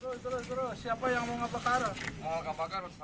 tuh siapa yang mau ngebakar